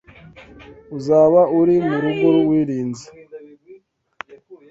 Uzaba uri murugo wirinze ?